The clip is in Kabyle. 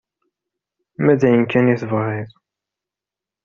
Ma d ayen kan i tebɣiḍ...